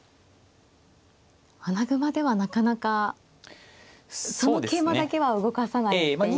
穴熊ではなかなかその桂馬だけは動かさないっていう。